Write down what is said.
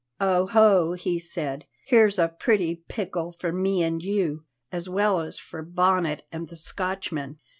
"Oho!" he said, "here's a pretty pickle for me and you, as well as for Bonnet and the Scotchman!"